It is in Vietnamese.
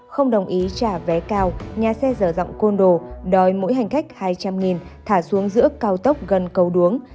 không đồng ý trả vé cao nhà xe dở dặm côn đồ đòi mỗi hành khách hai trăm linh thả xuống giữa cao tốc gần cầu đuống